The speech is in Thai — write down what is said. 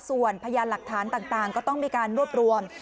ส่วนพยานหลักฐานต่างก็ต้องมีการรวบรวม